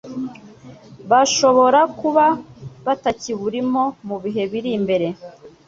bashobora kuba batakiburimo mu bihe biri imbere,